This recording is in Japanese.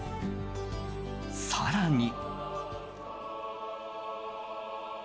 更に。